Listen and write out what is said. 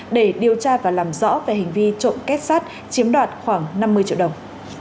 để điều tra và làm rõ về hình vi trộn kép sát chiếm đoạt khoảng năm mươi triệu đồng